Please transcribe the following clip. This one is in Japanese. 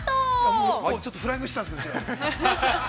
もうちょっとフライングしたんですけどね。